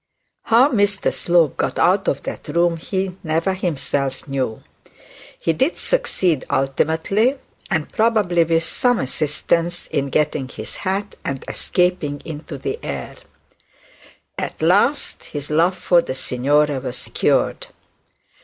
How Mr Slope got out of that room he never himself knew. He did succeed ultimately, and probably with some assistance, in getting him his had and escaping into the air. At last his love for the signora was cured.